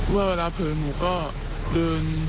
ว่าเวลาเผลอหนูก็เดิน